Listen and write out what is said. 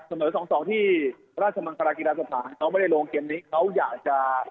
ส่วนสองสองที่ราชบังคลากิฤาสภาคเค้าไม่ได้ลงเกมนี้เค้าอยากจะ